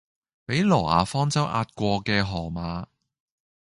俾挪亞方舟壓過嘅河馬